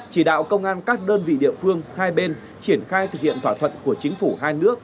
chỉ đạo công an các đơn vị địa phương hai bên triển khai thực hiện thỏa thuận của chính phủ hai nước